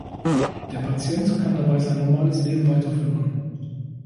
Der Patient kann dabei sein normales Leben weiterführen.